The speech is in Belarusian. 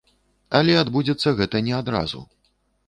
Але адбудзецца гэта не адразу.